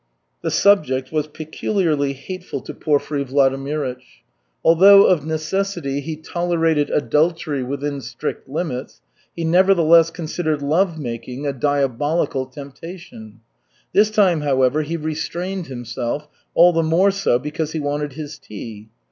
The subject was peculiarly hateful to Porfiry Vladimirych. Although of necessity he tolerated adultery within strict limits, he nevertheless considered lovemaking a diabolical temptation. This time, however, he restrained himself, all the more so because he wanted his tea.